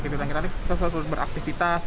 kita sulit beraktivitas